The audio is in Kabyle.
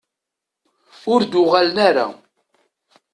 Ur d-uɣalen ara.